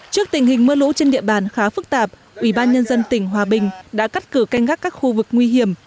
trước tình hình mưa lũ trên địa bàn khá phức tạp ủy ban nhân dân tỉnh hòa bình đã cắt cử canh gác các khu vực nguy hiểm